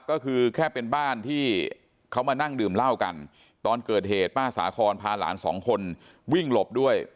ก็คือแค่เป็นบ้านที่เขามานั่งดื่มเหล้ากันตอนเกิดเหตุป้าสาคอนพาหลานสองคนวิ่งหลบด้วย